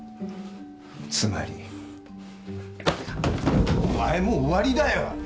つまりお前も終わりだよ！